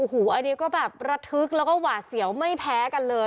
โอ้โหอันนี้ก็แบบระทึกแล้วก็หวาดเสียวไม่แพ้กันเลย